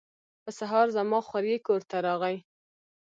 په سهار زما خوریی کور ته راغی.